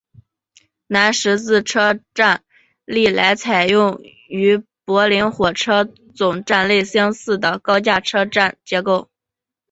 南十字车站历来采用与柏林火车总站类似的高架车站结构。